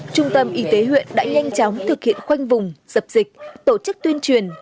trung tâm y tế huyện đã nhanh chóng thực hiện khoanh vùng dập dịch tổ chức tuyên truyền